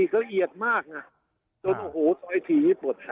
คือละเอียดมากน่ะ